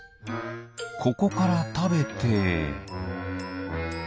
ここからたべて。